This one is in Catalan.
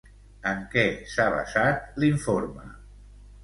En què s'ha basat l'informe?